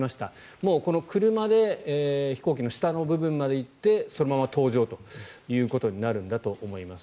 もうこの車で飛行機の下の部分まで行ってそのまま搭乗ということになるんだと思います。